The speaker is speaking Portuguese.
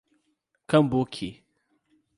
Cambuci